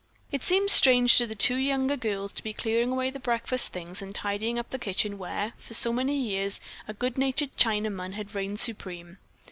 It seemed strange to the two younger girls to be clearing away the breakfast things and tidying up the kitchen where, for so many years, a good natured Chinaman had reigned supreme.